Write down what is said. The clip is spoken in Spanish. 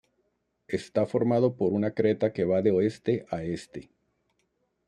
Está formado por una creta que va de oeste a este.